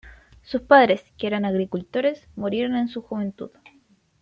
Sus padres, que eran agricultores, murieron en su juventud.